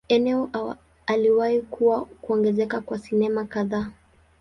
Eneo aliwahi kuwa kuongezeka kwa sinema kadhaa.